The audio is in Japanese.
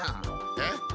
えっ？